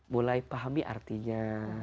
mulai pahami artinya